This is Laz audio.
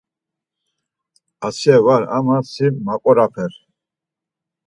Asiye var ama si maoroper.